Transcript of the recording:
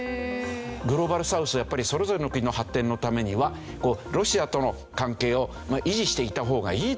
グローバルサウスやっぱりそれぞれの国の発展のためにはロシアとの関係を維持していた方がいいだろう。